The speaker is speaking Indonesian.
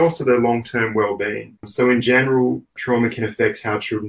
jadi secara general trauma dapat mengimpakkan bagaimana anak anak berpengalaman